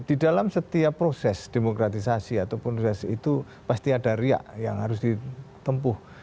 di dalam setiap proses demokratisasi ataupun reaksi itu pasti ada riak yang harus ditempuh